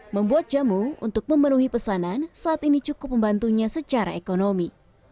membuat jamu untuk memenuhi pesanan saat ini cukup membantunya secara ekonomi